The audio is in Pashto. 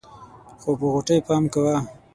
خو په غوټۍ پام کوه.